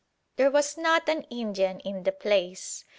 There was not an Indian in the place.